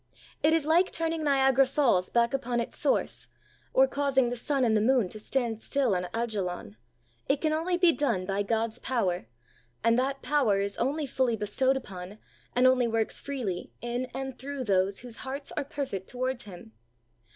It is like turning Niagara Falls back upon its source, or causing the sun and the moon to stand still on Ajalon; it can only be done by God's power, and that power is only fully bestowed upon, and only works freely in and through those whose hearts are per fect toward Him.